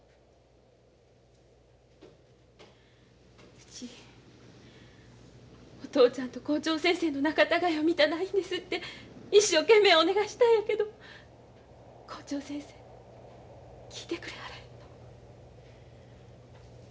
うちお父ちゃんと校長先生の仲たがいを見たないんですって一生懸命お願いしたんやけど校長先生聞いてくれはらへんの。